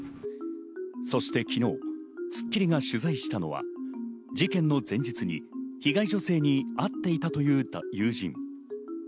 そして昨日、『スッキリ』が取材したのは、事件の前日に被害女性に会っていたという友人。